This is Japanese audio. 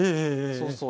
そうそう。